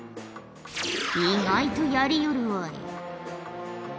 意外とやりよるわい。